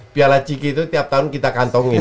piala ciki itu tiap tahun kita kantongin